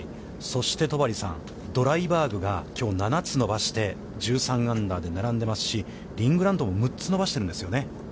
そして、戸張さん、ドライバーグが、きょう７つ伸ばして１３アンダーで、並んでいますし、リン・グランドも６つ伸ばしているんですよね。